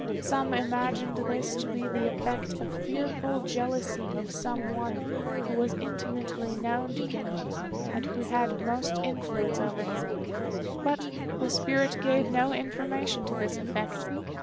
Some imagined this to be the effect of fearful jealousy of some one who was intimately known to Genji and who had most influence over him; but the spirit gave no information to this effect.